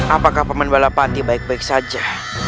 apakah pemen bola panty baik baik saja